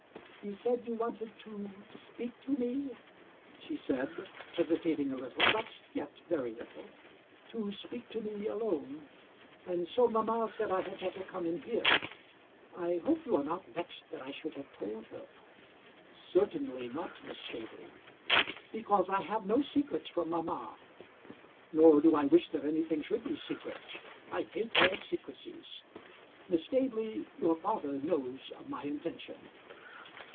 "You said you wanted to speak to me," she said, hesitating a little, but yet very little; "to speak to me alone; and so mamma said I had better come in here. I hope you are not vexed that I should have told her." "Certainly not, Miss Staveley." "Because I have no secrets from mamma." "Nor do I wish that anything should be secret. I hate all secrecies. Miss Staveley, your father knows of my intention."